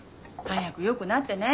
早くよくなってね。